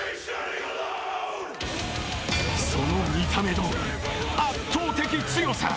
その見た目どおり、圧倒的強さ。